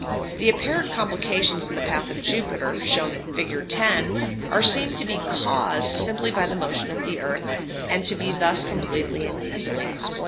The apparent complications in the path of Jupiter, shown in Fig. 10, are seen to be caused simply by the motion of the earth, and to be thus completely and easily explained.